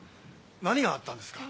何があったんですか？